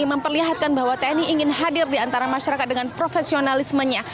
memperlihatkan bahwa tni ingin hadir di antara masyarakat dengan profesionalismenya